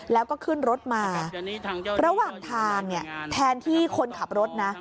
แล้วก็ขึ้นรถมาระหว่างทางเนี่ยแทนที่คนขับรถนะ